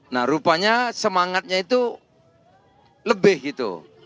nah rupanya semangatnya itu lebih gitu